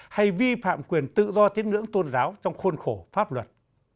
hay vi phạm quyền tự do tiến ngưỡng tôn giáo trong khôn khổ pháp luật